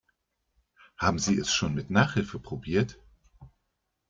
Haben Sie es schon mit Nachhilfe probiert?